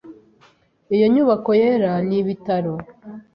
Iyo nyubako yera ni ibitaro.